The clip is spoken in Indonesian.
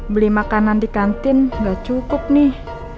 beli makanan di kantin nggak cukup nih